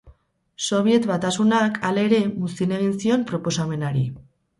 Sobiet Batasunak, halere, muzin egin zion proposamenari.